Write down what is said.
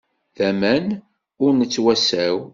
D aman ur nettwasaw!